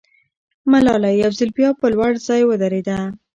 ملاله یو ځل بیا پر لوړ ځای ودرېده.